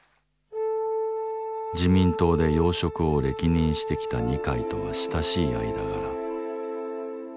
自民党で要職を歴任してきた二階とは親しい間柄。